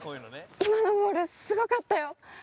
今のボール、すごかったよ。